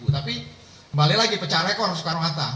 tapi kembali lagi pecah rekor soekarno hatta